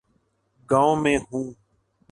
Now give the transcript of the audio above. گاؤں میں ہوں۔